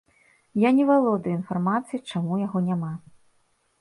Я не валодаю інфармацыяй, чаму яго няма.